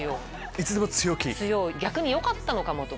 いつでも強気⁉逆によかったのかもと。